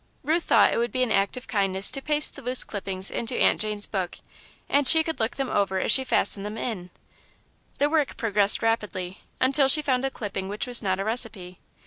Ruth thought it would be an act of kindness to paste the loose clippings into Aunt Jane's book, and she could look them over as she fastened them in. The work progressed rapidly, until she found a clipping which was not a recipe.